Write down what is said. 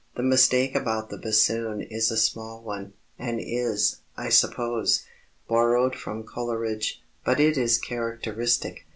The mistake about the bassoon is a small one, and is, I suppose, borrowed from Coleridge, but it is characteristic.